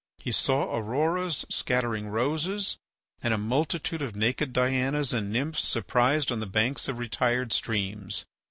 He saw Auroras scattering roses, and a multitude of naked Dianas and Nymphs surprised on the banks of retired streams.